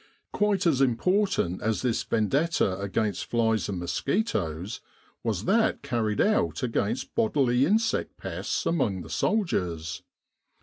Quite as important as this vendetta against flies and mosquitoes, was that carried out against bodily insect pests among our soldiers.